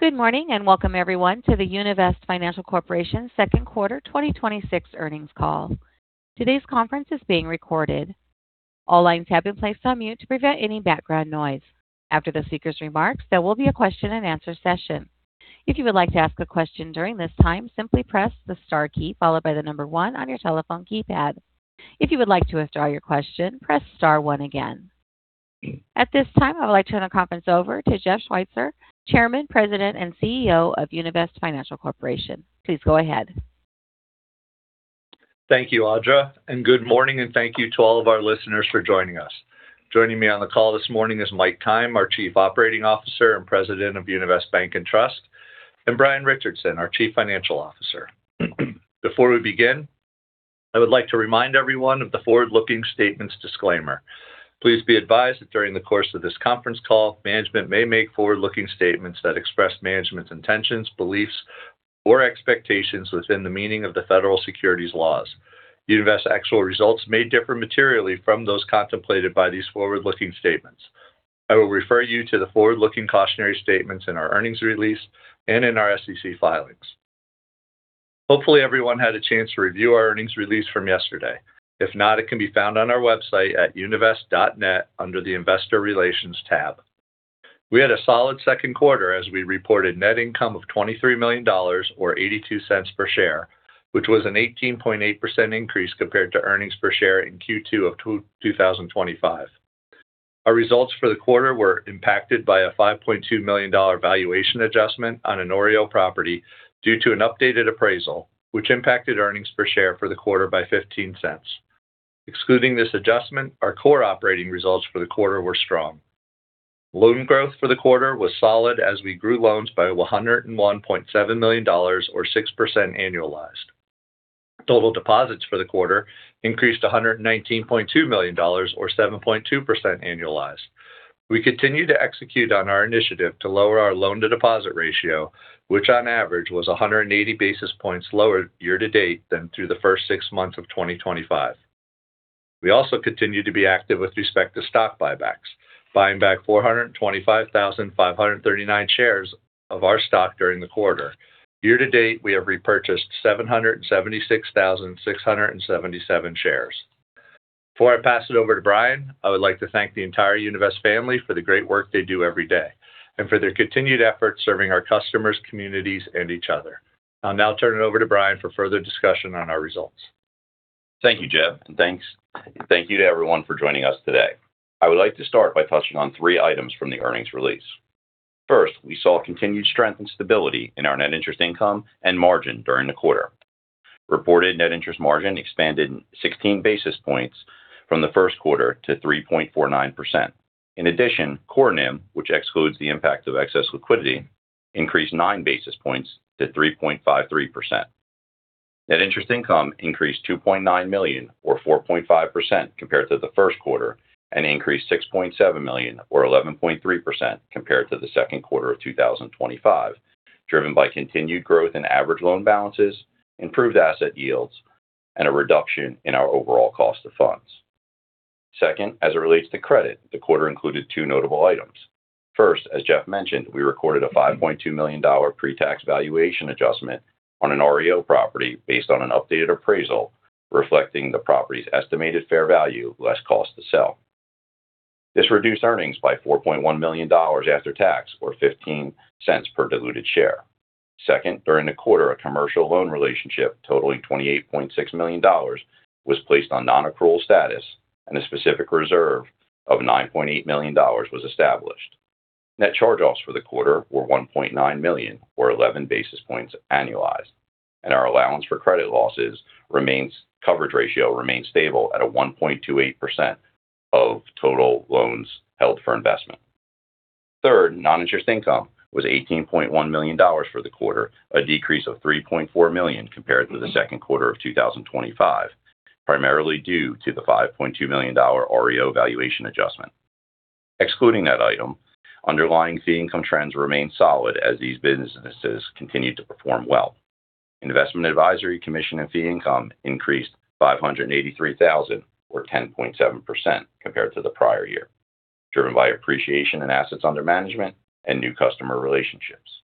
Good morning and welcome everyone to the Univest Financial Corporation second quarter 2026 earnings call. Today's conference is being recorded. All lines have been placed on mute to prevent any background noise. After the speaker's remarks, there will be a question and answer session. If you would like to ask a question during this time, simply press the star key followed by the number one on your telephone keypad. If you would like to withdraw your question, press star one again. At this time, I would like to turn the conference over to Jeff Schweitzer, Chairman, President, and CEO of Univest Financial Corporation. Please go ahead. Thank you, Audra. Good morning and thank you to all of our listeners for joining us. Joining me on the call this morning is Mike Keim, our Chief Operating Officer and President of Univest Bank and Trust, and Brian Richardson, our Chief Financial Officer. Before we begin, I would like to remind everyone of the forward-looking statements disclaimer. Please be advised that during the course of this conference call, management may make forward-looking statements that express management's intentions, beliefs, or expectations within the meaning of the federal securities laws. Univest's actual results may differ materially from those contemplated by these forward-looking statements. I will refer you to the forward-looking cautionary statements in our earnings release and in our SEC filings. Hopefully, everyone had a chance to review our earnings release from yesterday. If not, it can be found on our website at univest.net under the investor relations tab. We had a solid second quarter as we reported net income of $23 million, or $0.82 per share, which was an 18.8% increase compared to earnings per share in Q2 of 2025. Our results for the quarter were impacted by a $5.2 million valuation adjustment on an OREO property due to an updated appraisal, which impacted earnings per share for the quarter by $0.15. Excluding this adjustment, our core operating results for the quarter were strong. Loan growth for the quarter was solid as we grew loans by $101.7 million, or 6% annualized. Total deposits for the quarter increased to $119.2 million or 7.2% annualized. We continue to execute on our initiative to lower our loan-to-deposit ratio, which on average was 180 basis points lower year-to-date than through the first six months of 2025. We also continue to be active with respect to stock buybacks, buying back 425,539 shares of our stock during the quarter. Year-to-date, we have repurchased 776,677 shares. Before I pass it over to Brian, I would like to thank the entire Univest family for the great work they do every day and for their continued efforts serving our customers, communities, and each other. I'll now turn it over to Brian for further discussion on our results. Thank you, Jeff, and thank you to everyone for joining us today. I would like to start by touching on three items from the earnings release. First, we saw continued strength and stability in our net interest income and margin during the quarter. Reported net interest margin expanded 16 basis points from the first quarter to 3.49%. In addition, core NIM, which excludes the impact of excess liquidity, increased nine basis points to 3.53%. Net interest income increased $2.9 million, or 4.5% compared to the first quarter, and increased $6.7 million, or 11.3% compared to the second quarter of 2025, driven by continued growth in average loan balances, improved asset yields, and a reduction in our overall cost of funds. Second, as it relates to credit, the quarter included two notable items. First, as Jeff mentioned, we recorded a $5.2 million pre-tax valuation adjustment on an REO property based on an updated appraisal reflecting the property's estimated fair value less cost to sell. This reduced earnings by $4.1 million after tax, or $0.15 per diluted share. Second, during the quarter, a commercial loan relationship totaling $28.6 million was placed on non-accrual status and a specific reserve of $9.8 million was established. Net charge-offs for the quarter were $1.9 million or 11 basis points annualized, and our allowance for credit losses coverage ratio remains stable at a 1.28% of total loans held for investment. Third, non-interest income was $18.1 million for the quarter, a decrease of $3.4 million compared to the second quarter of 2025, primarily due to the $5.2 million REO valuation adjustment. Excluding that item, underlying fee income trends remain solid as these businesses continue to perform well. Investment advisory commission and fee income increased $583,000, or 10.7% compared to the prior year, driven by appreciation in assets under management and new customer relationships.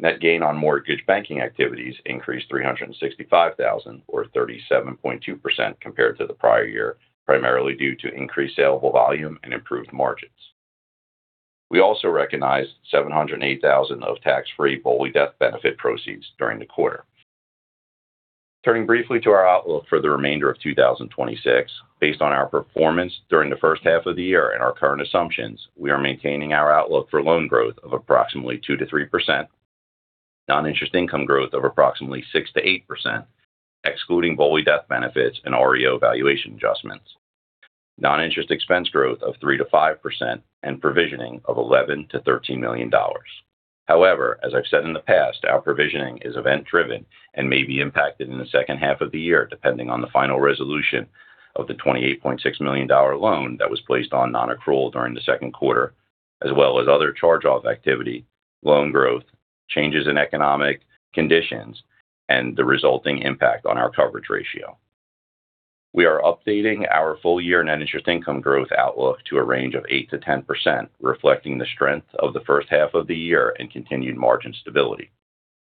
Net gain on mortgage banking activities increased $365,000 or 37.2% compared to the prior year, primarily due to increased saleable volume and improved margins. We also recognized $708,000 of tax-free BOLI death benefit proceeds during the quarter. Turning briefly to our outlook for the remainder of 2026. Based on our performance during the first half of the year and our current assumptions, we are maintaining our outlook for loan growth of approximately 2%-3%, non-interest income growth of approximately 6%-8%, excluding BOLI death benefits and REO valuation adjustments, non-interest expense growth of 3%-5%, and provisioning of $11 million-$13 million. As I've said in the past, our provisioning is event-driven and may be impacted in the second half of the year depending on the final resolution of the $28.6 million loan that was placed on non-accrual during the second quarter, as well as other charge-off activity, loan growth, changes in economic conditions, and the resulting impact on our coverage ratio. We are updating our full-year net interest income growth outlook to a range of 8%-10%, reflecting the strength of the first half of the year and continued margin stability.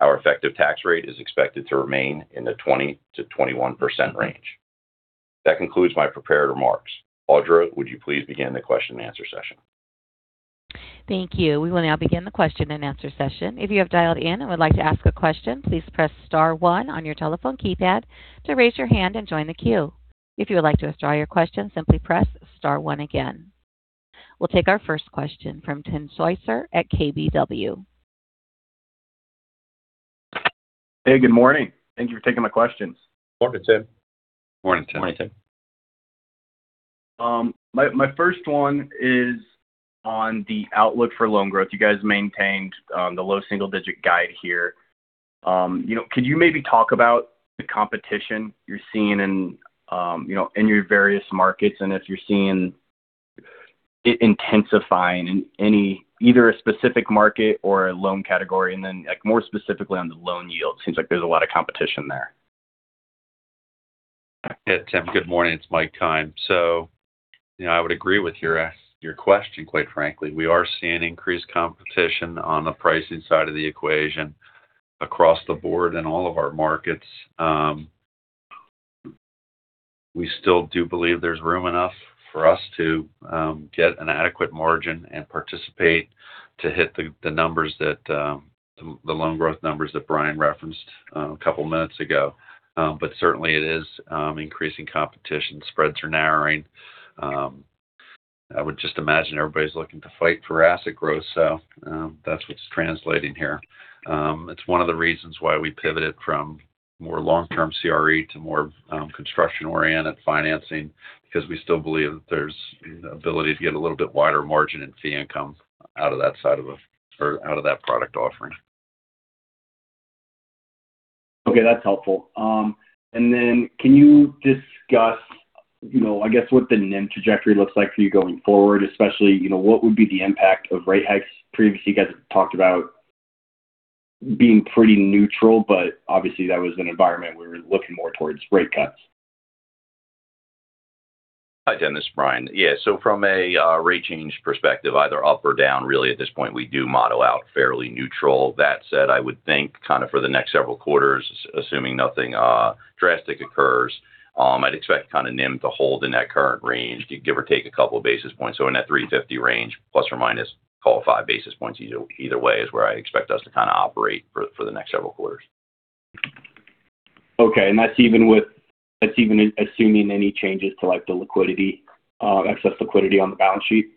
Our effective tax rate is expected to remain in the 20%-21% range. That concludes my prepared remarks. Audra, would you please begin the question and answer session? Thank you. We will now begin the question and answer session. If you have dialed in and would like to ask a question, please press star one on your telephone keypad to raise your hand and join the queue. If you would like to withdraw your question, simply press star one again. We'll take our first question from Tim Switzer at KBW. Hey, good morning. Thank you for taking my questions. Morning, Tim. Morning, Tim. My first one is on the outlook for loan growth. You guys maintained the low single-digit guide here. Could you maybe talk about the competition you're seeing in your various markets and if you're seeing it intensifying in either a specific market or a loan category? Then more specifically on the loan yield, it seems like there's a lot of competition there. Yeah, Tim, good morning. It's Mike Keim. I would agree with your question, quite frankly. We are seeing increased competition on the pricing side of the equation across the board in all of our markets. We still do believe there's room enough for us to get an adequate margin and participate to hit the loan growth numbers that Brian referenced a couple of minutes ago. Certainly, it is increasing competition. Spreads are narrowing. I would just imagine everybody's looking to fight for asset growth. That's what's translating here. It's one of the reasons why we pivoted from more long-term CRE to more construction-oriented financing because we still believe that there's an ability to get a little bit wider margin in fee income out of that product offering. Okay. That's helpful. Then can you discuss, I guess, what the NIM trajectory looks like for you going forward, especially what would be the impact of rate hikes? Previously, you guys talked about being pretty neutral, obviously that was an environment where we're looking more towards rate cuts. Hi, Tim. This is Brian. Yeah. From a rate change perspective, either up or down, really at this point, we do model out fairly neutral. That said, I would think for the next several quarters, assuming nothing drastic occurs, I'd expect NIM to hold in that current range, give or take a couple of basis points. In that 350 range, plus or minus, call it five basis points either way is where I expect us to operate for the next several quarters. Okay. That's even assuming any changes to the excess liquidity on the balance sheet?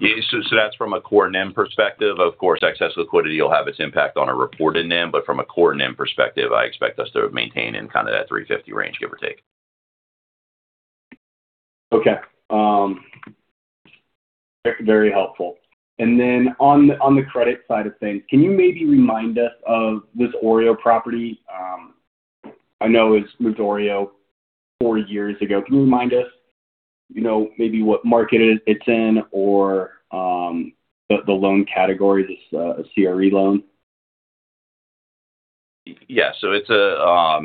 Yeah. That's from a core NIM perspective. Of course, excess liquidity will have its impact on a reported NIM. From a core NIM perspective, I expect us to maintain in that 350 range, give or take. Okay. Very helpful. Then on the credit side of things, can you maybe remind us of this OREO property? I know it was OREO four years ago. Can you remind us maybe what market it's in or the loan category? Is this a CRE loan? Yeah. It's a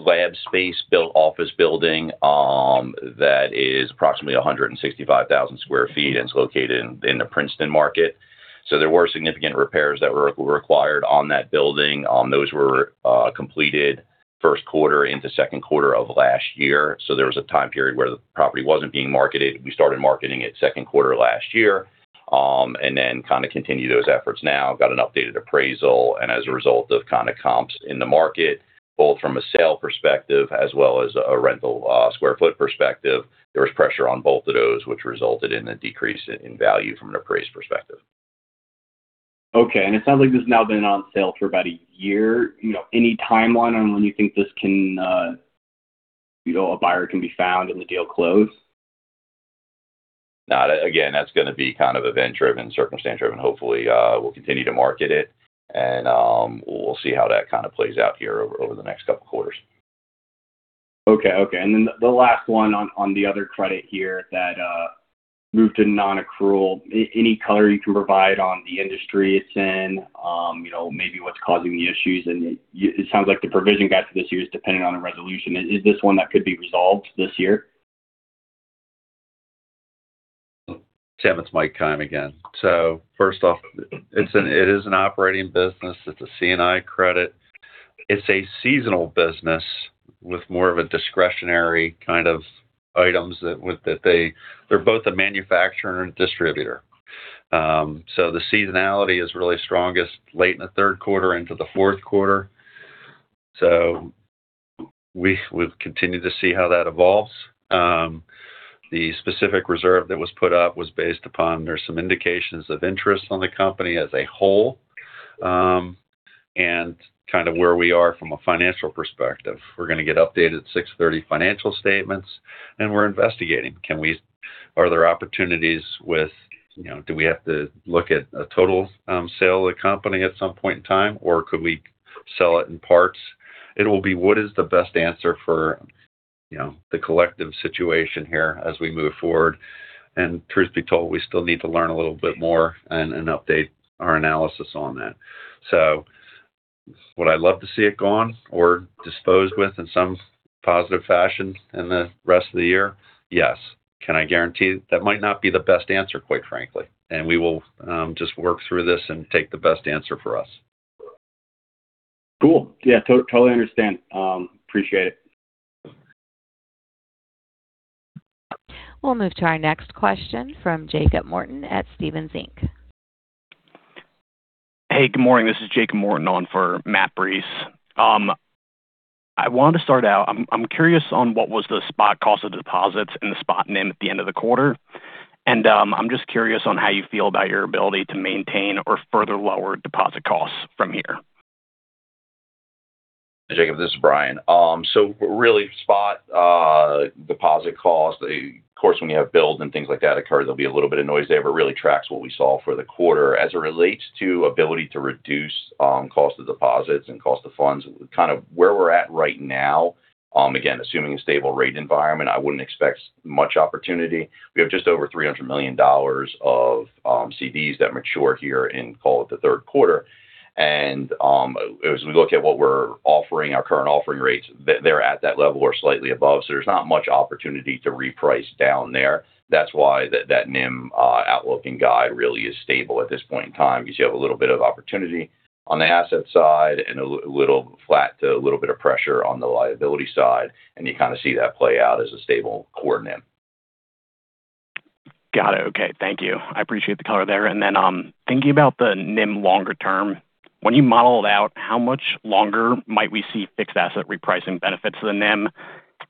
lab space built office building that is approximately 165,000 sq ft, and it's located in the Princeton market. There were significant repairs that were required on that building. Those were completed first quarter into second quarter of last year. There was a time period where the property wasn't being marketed. We started marketing it second quarter last year, and then continued those efforts now, got an updated appraisal, and as a result of comps in the market, both from a sale perspective as well as a rental square foot perspective, there was pressure on both of those, which resulted in a decrease in value from an appraised perspective. Okay. It sounds like this has now been on sale for about a year. Any timeline on when you think a buyer can be found and the deal closed? Again, that's going to be event-driven, circumstance-driven. Hopefully, we'll continue to market it, and we'll see how that plays out here over the next couple of quarters. Okay. The last one on the other credit here that moved to non-accrual. Any color you can provide on the industry it's in, maybe what's causing the issues? It sounds like the provision guide for this year is dependent on a resolution. Is this one that could be resolved this year? Tim, it's Mike Keim again. First off, it is an operating business. It's a C&I credit. It's a seasonal business with more of a discretionary kind of items. They're both a manufacturer and distributor. The seasonality is really strongest late in the third quarter into the fourth quarter. We'll continue to see how that evolves. The specific reserve that was put up was based upon there's some indications of interest on the company as a whole, and where we are from a financial perspective. We're going to get updated 630 financial statements, and we're investigating. Do we have to look at a total sale of the company at some point in time, or could we sell it in parts? It will be what is the best answer for the collective situation here as we move forward. Truth be told, we still need to learn a little bit more and update our analysis on that. Would I love to see it gone or disposed with in some positive fashion in the rest of the year? Yes. Can I guarantee it? That might not be the best answer, quite frankly. We will just work through this and take the best answer for us. Cool. Yeah, totally understand. Appreciate it. We'll move to our next question from Jacob Morton at Stephens Inc. Hey, good morning. This is Jacob Morton on for Matt Breese. I wanted to start out, I'm curious on what was the spot cost of deposits and the spot NIM at the end of the quarter. I'm just curious on how you feel about your ability to maintain or further lower deposit costs from here. Jacob, this is Brian. Really spot deposit cost, of course, when you have builds and things like that occur, there'll be a little bit of noise there, but really tracks what we saw for the quarter. As it relates to ability to reduce cost of deposits and cost of funds, kind of where we're at right now, again, assuming a stable rate environment, I wouldn't expect much opportunity. We have just over $300 million of CDs that mature here in, call it the third quarter. As we look at what we're offering, our current offering rates, they're at that level or slightly above. There's not much opportunity to reprice down there. That's why that NIM outlook and guide really is stable at this point in time because you have a little bit of opportunity on the asset side and a little flat to a little bit of pressure on the liability side, you kind of see that play out as a stable core NIM. Got it. Okay. Thank you. I appreciate the color there. Then thinking about the NIM longer term, when you model it out, how much longer might we see fixed asset repricing benefits to the NIM?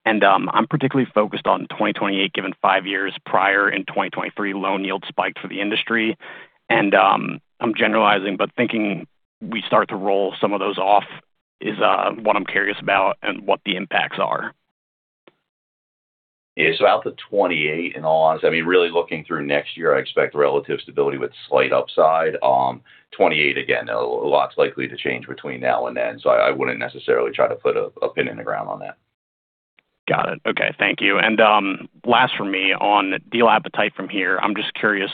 I'm particularly focused on 2028, given five years prior in 2023, loan yield spiked for the industry. I'm generalizing, but thinking we start to roll some of those off is what I'm curious about and what the impacts are. Yeah. Out to 2028, in all honesty, I mean, really looking through next year, I expect relative stability with slight upside. 2028, again, a lot's likely to change between now and then. I wouldn't necessarily try to put a pin in the ground on that. Got it. Okay. Thank you. Last from me on deal appetite from here. I'm just curious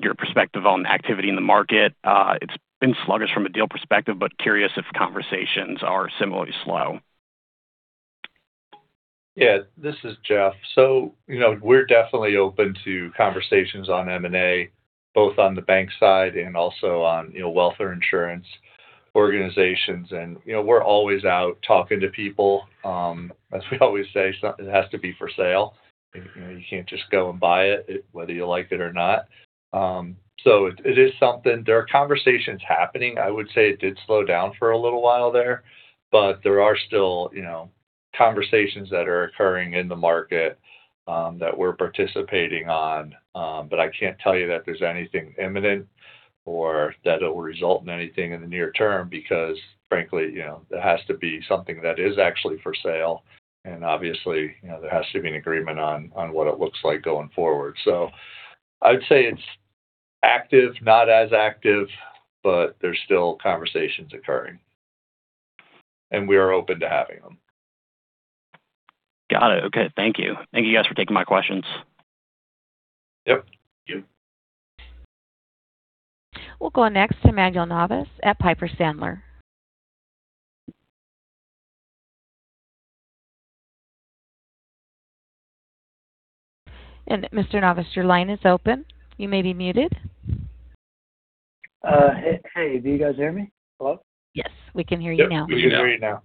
your perspective on the activity in the market. It's been sluggish from a deal perspective, but curious if conversations are similarly slow. Yeah. This is Jeff. We're definitely open to conversations on M&A, both on the bank side and also on wealth or insurance organizations. We're always out talking to people. As we always say, something has to be for sale. You can't just go and buy it whether you like it or not. It is something. There are conversations happening. I would say it did slow down for a little while there are still conversations that are occurring in the market that we're participating on. I can't tell you that there's anything imminent or that it will result in anything in the near term because frankly, there has to be something that is actually for sale and obviously there has to be an agreement on what it looks like going forward. I'd say it's active, not as active, there's still conversations occurring and we are open to having them. Got it. Okay. Thank you. Thank you guys for taking my questions. Yep. Thank you. We'll go next to Manuel Navas at Piper Sandler. Mr. Navas, your line is open. You may be muted. Hey, do you guys hear me? Hello? Yes, we can hear you now. Yep, we can hear you now.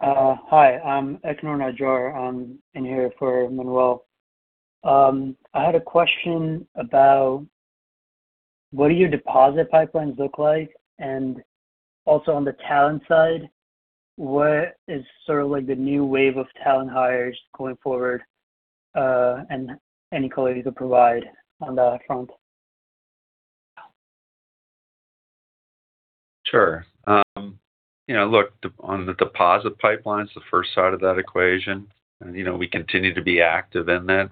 Hi, I'm Eknor Najjar. I'm in here for Manuel. I had a question about what do your deposit pipelines look like, also on the talent side, what is sort of like the new wave of talent hires going forward and any color you could provide on that front? Sure. Look, on the deposit pipelines, the first side of that equation, we continue to be active in that.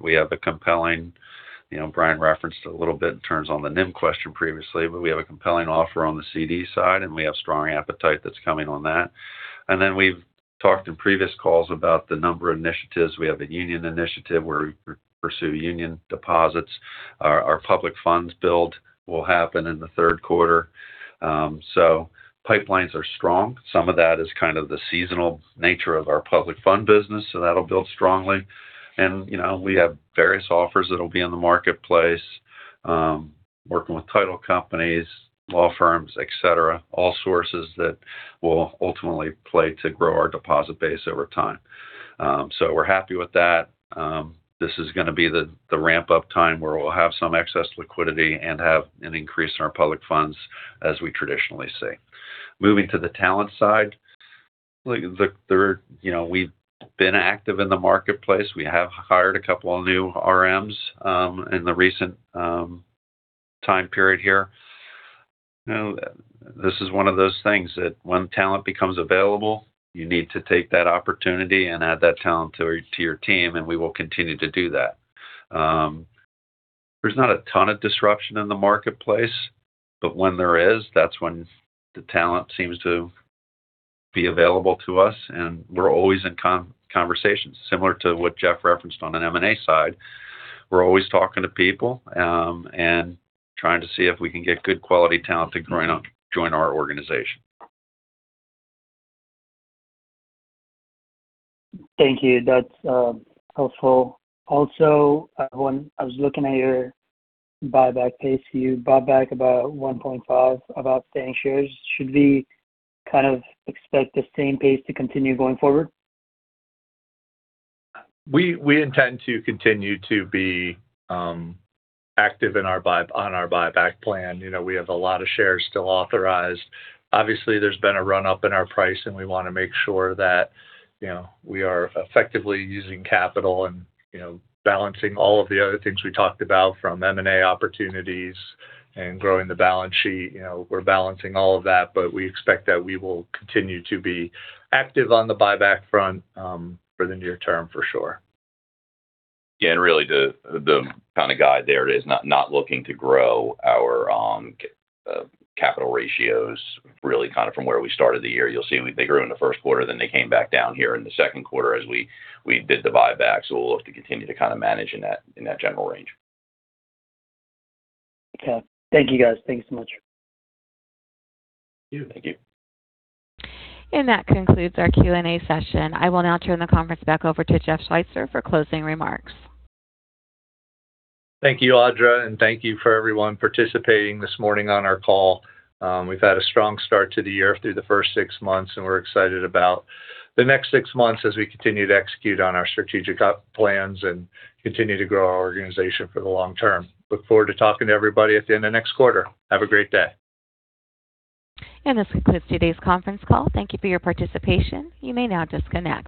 Brian referenced a little bit in terms on the NIM question previously. We have a compelling offer on the CD side and we have strong appetite that's coming on that. Then we've talked in previous calls about the number of initiatives. We have a union initiative where we pursue union deposits. Our public funds build will happen in the third quarter. Pipelines are strong. Some of that is kind of the seasonal nature of our public fund business, that'll build strongly. We have various offers that'll be in the marketplace, working with title companies, law firms, et cetera, all sources that will ultimately play to grow our deposit base over time. We're happy with that. This is going to be the ramp-up time where we'll have some excess liquidity and have an increase in our public funds as we traditionally see. Moving to the talent side. Look, we've been active in the marketplace. We have hired a couple of new RMs in the recent time period here. This is one of those things that when talent becomes available, you need to take that opportunity and add that talent to your team, we will continue to do that. There's not a ton of disruption in the marketplace, but when there is, that's when the talent seems to be available to us, and we're always in conversations. Similar to what Jeff referenced on an M&A side, we're always talking to people, and trying to see if we can get good quality talent to join our organization. Thank you. That's helpful. When I was looking at your buyback pace, you bought back about 1.5 [inaudible] shares. Should we kind of expect the same pace to continue going forward? We intend to continue to be active on our buyback plan. We have a lot of shares still authorized. Obviously, there's been a run-up in our price. We want to make sure that we are effectively using capital and balancing all of the other things we talked about from M&A opportunities and growing the balance sheet. We're balancing all of that. We expect that we will continue to be active on the buyback front for the near term for sure. Yeah, really the kind of guide there is not looking to grow our capital ratios really kind of from where we started the year. You'll see they grew in the first quarter. They came back down here in the second quarter as we did the buyback. We'll look to continue to kind of manage in that general range. Okay. Thank you, guys. Thanks so much. Thank you. Thank you. That concludes our Q&A session. I will now turn the conference back over to Jeff Schweitzer for closing remarks. Thank you, Audra, and thank you for everyone participating this morning on our call. We've had a strong start to the year through the first six months, and we're excited about the next six months as we continue to execute on our strategic plans and continue to grow our organization for the long term. Look forward to talking to everybody at the end of next quarter. Have a great day. This concludes today's conference call. Thank you for your participation. You may now disconnect.